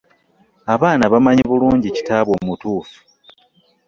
Abaana bamanyi bulungi kitaabwe omutuufu.